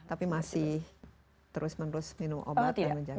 tapi masih terus menerus minum obat dan menjaga